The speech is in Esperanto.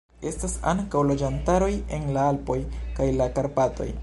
Estas ankaŭ loĝantaroj en la Alpoj kaj la Karpatoj.